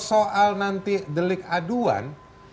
soal nanti delik aduan